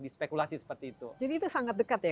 di spekulasi seperti itu jadi itu sangat dekat ya